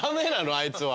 あいつは。